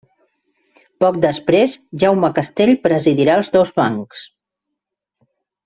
Poc després Jaume Castell presidirà els dos bancs.